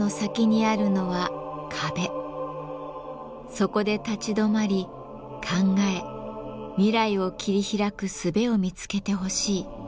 そこで立ち止まり考え未来を切り開くすべを見つけてほしい。